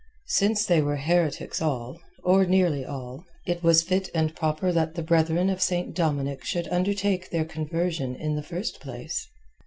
Since they were heretics all—or nearly all—it was fit and proper that the Brethren of St. Dominic should undertake their conversion in the first place.